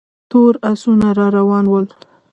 تور آسونه را روان ول.